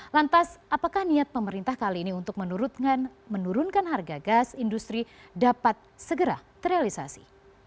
lantas apakah niat pemerintah kali ini untuk menurunkan harga gas industri dapat segera terrealisasi